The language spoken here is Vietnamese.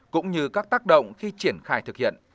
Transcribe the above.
cũng như các tác động khi triển khai thực hiện